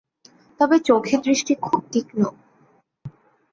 তবে চোখের দৃষ্টি খুব তীক্ষ্ণ।